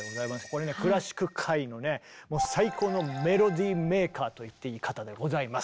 これねクラシック界のね最高のメロディーメーカーと言っていい方でございます。